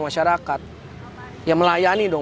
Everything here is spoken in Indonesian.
masyarakat ya melayani dong